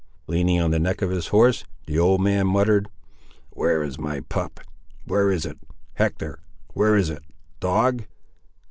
Leaning on the neck of his horse, the old man muttered— "Where is my pup? Where is it—Hector—where is it, dog?"